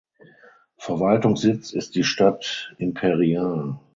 Verwaltungssitz ist die Stadt Imperial.